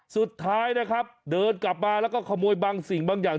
สุดท้ายนะครับเดินกลับมาแล้วก็ขโมยบางสิ่งบางอย่าง